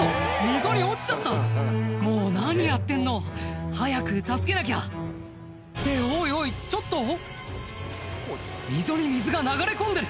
溝に落ちちゃったもう何やってんの！早く助けなきゃっておいおいちょっと溝に水が流れ込んでる！